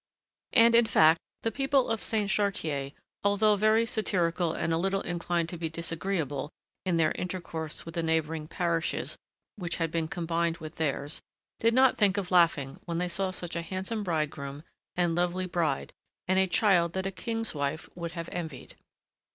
And, in fact, the people of Saint Chartier, although very satirical and a little inclined to be disagreeable in their intercourse with the neighboring parishes which had been combined with theirs, did not think of laughing when they saw such a handsome bridegroom and lovely bride, and a child that a king's wife would have envied.